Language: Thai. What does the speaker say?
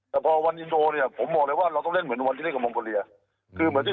แต่พอวันอินโดผมบอกเลยว่าเราต้องเล่นเหมือนวันที่เล่นกับมงพลลีอ่ะ